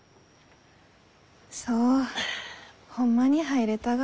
そうホンマに入れたが。